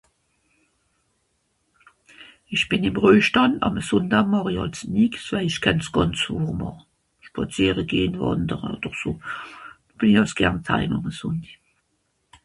isch bìn ìm reujstànd àm a sùndaa màch'i àls nìx waij isch känn's gànz ... màch spàziere gehn wàndere oder so bìn i euj s'gern taim umasònscht